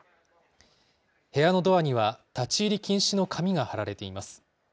部屋のドアには立ち入り禁止の紙が貼られています。